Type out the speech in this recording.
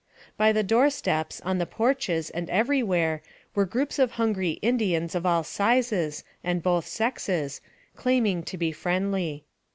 By the door steps, on the porches, and every where, were groups of hungry Indians of all sizes and both sexes, claiming to be friendly.